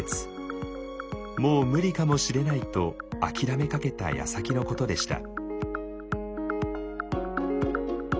もう無理かもしれないと諦めかけたやさきのことでした。